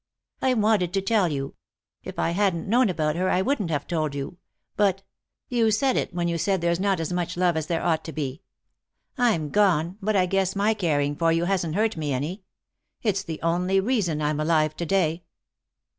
"I wanted to tell you. If I hadn't known about her I wouldn't have told you, but you said it when you said there's not as much love as there ought to be. I'm gone, but I guess my caring for you hasn't hurt me any. It's the only reason I'm alive to day."